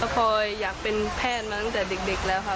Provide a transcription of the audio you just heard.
คอยอยากเป็นแพทย์มาตั้งแต่เด็กแล้วค่ะ